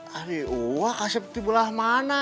aduh kasep di belah mana